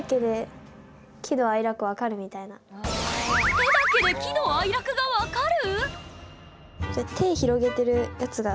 手だけで喜怒哀楽が分かる⁉